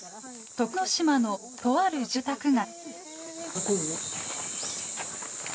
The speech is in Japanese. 徳之島のとある住宅街。